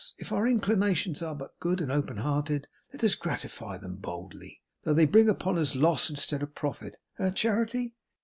If our inclinations are but good and open hearted, let us gratify them boldly, though they bring upon us Loss instead of Profit. Eh, Charity?